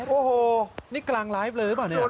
โอ้โฮนี่กลางไลฟ์เลยหรือเปล่า